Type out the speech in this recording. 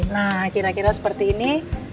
nah kira kira seperti ini